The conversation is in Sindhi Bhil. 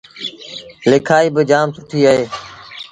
ليکآئيٚ با جآم سُٺيٚ اهي